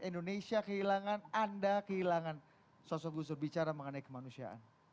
indonesia kehilangan anda kehilangan sosok gusur bicara mengenai kemanusiaan